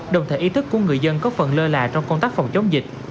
đồng thời ý thức của người dân có phần lơ là trong công tác phòng chống dịch